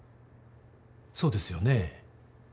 そうですよね？